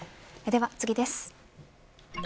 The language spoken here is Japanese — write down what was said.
では次です。